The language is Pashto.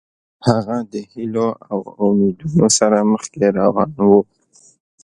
هغه د هیلو او امیدونو سره مخکې روان و.